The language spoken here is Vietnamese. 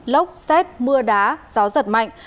lốc xét mưa đá gió giật mạnh